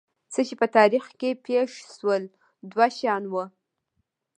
څه چې په تاریخ کې پېښ شول دوه شیان وو.